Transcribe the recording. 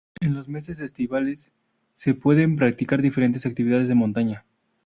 En los meses estivales se puede practicar diferentes actividades de montaña.